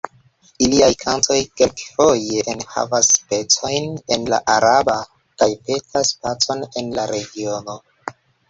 Iliaj kantoj kelk-foje enhavas pecojn en la araba, kaj petas pacon en la regiono.